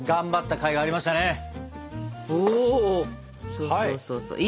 そうそうそうそういい！